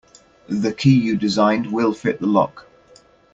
The key you designed will fit the lock.